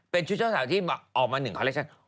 เป็นชุดเจ้าสาวที่ออกมา๑คอลเลคชั่น